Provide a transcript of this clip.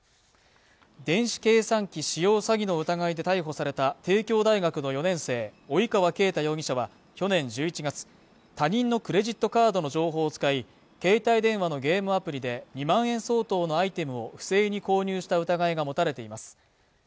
電子計算機使用詐欺の疑いで逮捕された帝京大学の４年生及川圭太容疑者は去年１１月他人のクレジットカードの情報を使い携帯電話のゲームアプリで２万円相当のアイテムを不正に購入した疑いが持たれています